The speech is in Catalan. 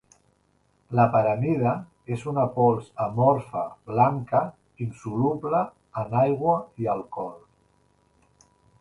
La paramida és una pols amorfa blanca, insoluble en aigua i alcohol.